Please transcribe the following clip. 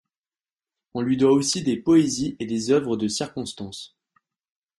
On lui doit aussi des poésies et des œuvres de circonstances.